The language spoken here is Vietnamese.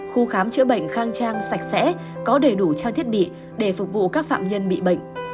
khu khám chữa bệnh khang trang sạch sẽ có đầy đủ trang thiết bị để phục vụ các phạm nhân bị bệnh